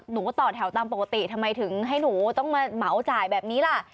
หนูก็ต่อแถวตามปกติทำไมถึงให้หนูต้องมาเหมาจ่ายแบบนี้ล่ะ